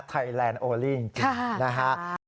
แลนด์โอลี่จริงนะฮะ